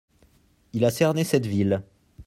Il a cerné cette ville.